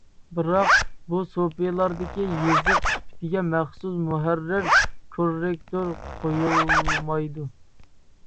بىراق، بۇ سۇپىلاردىكى يېزىق سۈپىتىگە مەخسۇس مۇھەررىر كوررېكتور قويۇلمايدۇ.